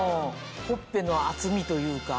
ほっぺの厚みというか。